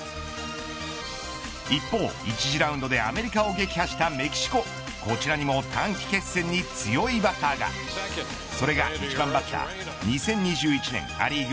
一方、１次ラウンドでアメリカを撃破したメキシコこちらにも短期決戦に強いバッターがそれが１番バッター２０２１年ア・リーグ